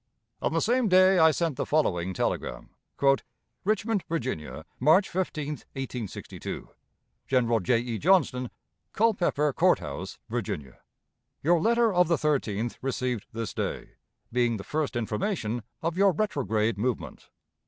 On the same day I sent the following telegram: "Richmond, Virginia, March 15, 1862. "General J. E. Johnston, Culpepper Court House, Virginia. "Your letter of the 13th received this day, being the first information of your retrograde movement.